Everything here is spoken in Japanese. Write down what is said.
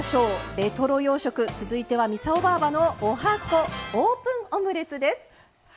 レトロ洋食、続いては操ばぁばのおはこオープンオムレツです。